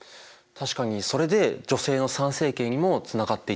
確かにそれで女性の参政権にもつながっていったしね。